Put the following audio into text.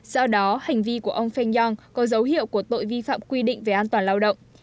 do đó hành vi của ông feng yong có dấu hiệu của tội vi phạm quy định về an toàn lao động